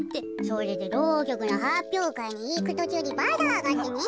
それでろうきょくのはっぴょうかいにいくとちゅうにバザーがあってね。